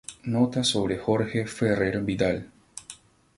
Nota sobre Jorge Ferrer Vidal